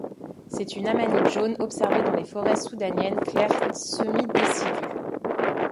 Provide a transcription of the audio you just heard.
C'est une amanite jaune observée dans les forêts soudaniennes claires semi-décidues.